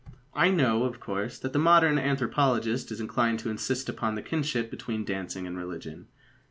I know, of course, that the modern anthropologist is inclined to insist upon the kinship between dancing and religion.